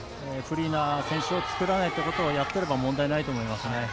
フリーな選手を作らないということをやっていれば問題ないと思いますね。